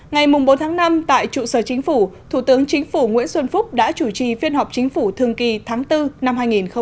ngày bốn tháng năm tại trụ sở chính phủ thủ tướng chính phủ nguyễn xuân phúc đã chủ trì phiên họp chính phủ thường kỳ tháng bốn năm hai nghìn hai mươi